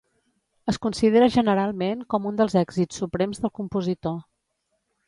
Es considera generalment com un els èxits suprems del compositor.